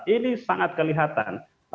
ini sangat kelihatan